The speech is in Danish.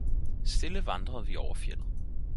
stille vandrede vi over fjeldet.